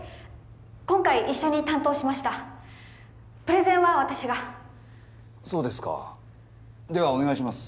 今回一緒に担当しましたプレゼンは私がそうですかではお願いします